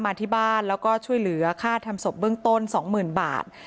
มาที่บ้านแล้วก็ช่วยเหลือค่าทำศพเบื้องต้น๒๐๐๐บาท